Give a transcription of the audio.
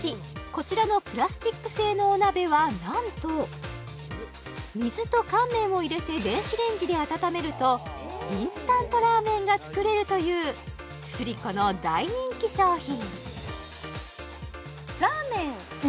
こちらのプラスチック製のお鍋はなんと水と乾麺を入れて電子レンジで温めるとインスタントラーメンが作れるというスリコの大人気商品